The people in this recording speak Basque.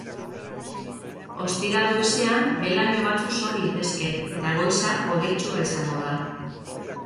Ostiral goizean, behe-laino batzuk sor litezke, eta goiza hodeitsua izango da.